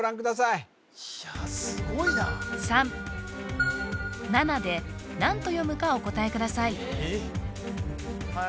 いやあすごいな３７で何と読むかお答えください